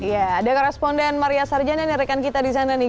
ya ada koresponden maria sarjana dari rekan kita di sana nih